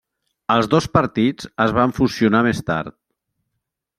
Els dos partits es van fusionar més tard.